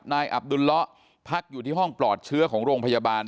อับดุลเลาะพักอยู่ที่ห้องปลอดเชื้อของโรงพยาบาล